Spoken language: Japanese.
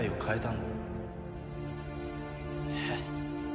えっ？